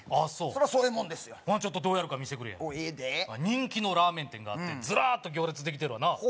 そらそういうもんですよほなどうやるか見せてくれええで人気のラーメン店があってズラーッと行列できてるわな